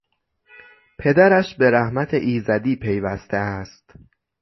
پدرش به رحمت ایزدی پیوسته است.